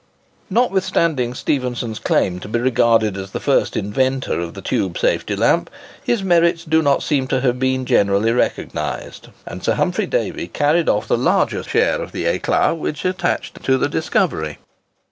Notwithstanding Stephenson's claim to be regarded as the first inventor of the Tube Safety lamp, his merits do not seem to have been generally recognised; and Sir Humphry Davy carried off the larger share of the éclat which attached to the discovery.